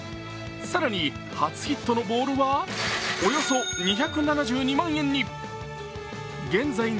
さらに初ヒットのボールはおよそ２７２万円に。